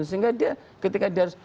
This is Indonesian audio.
sehingga dia ketika dia harus